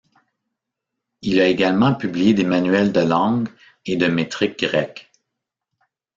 Il a également publié des manuels de langue et de métrique grecques.